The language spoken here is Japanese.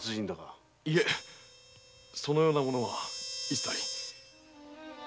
いえそのような者は一切。